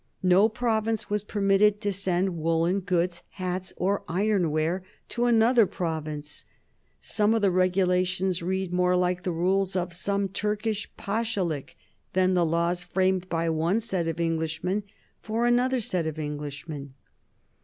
No province was permitted to send woollen goods, hats, or ironware to another province. Some of the regulations read more like the rules of some Turkish pashalik than the laws framed by one set of Englishmen for another set of Englishmen.